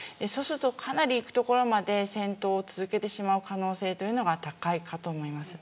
かなりいくところまで戦闘を続けてしまう可能性が高いと思います。